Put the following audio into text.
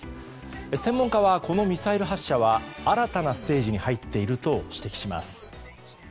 専門家は、このミサイル発射は新たなステージに入っていると指摘します。